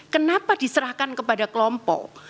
kenapa diserahkan kepada kelompok